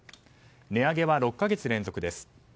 値上げは６か月連続です。